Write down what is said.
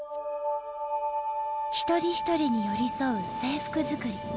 一人一人に寄り添う制服作り。